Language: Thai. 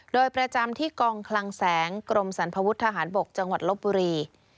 โดยประจำที่กองคลังแสงกรมสรรพวุฒิทหารบกจังหวัดลบบุรี